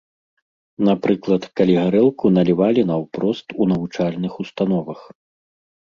Напрыклад, калі гарэлку налівалі наўпрост у навучальных установах.